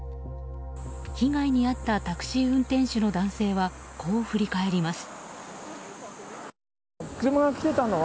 被害に遭ったタクシー運転手の男性はこう振り返ります。